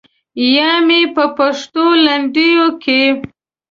یا مې په پښتو لنډیو کې.